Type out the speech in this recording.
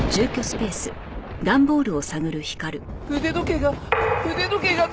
腕時計が腕時計がない！